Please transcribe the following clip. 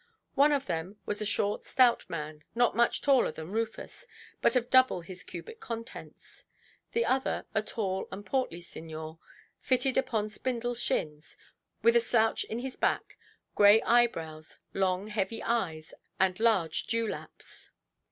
One of them was a short stout man, not much taller than Rufus, but of double his cubic contents; the other a tall and portly signor, fitted upon spindle shins, with a slouch in his back, grey eyebrows, long heavy eyes, and large dewlaps.